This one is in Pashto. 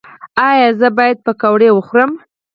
ایا زه باید پکوړه وخورم؟